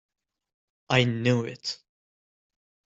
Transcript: I knew it!